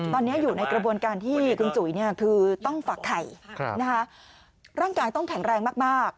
ตอนนี้อยู่ในกระบวนการที่คุณจุ๋ยคือต้องฝักไข่ร่างกายต้องแข็งแรงมาก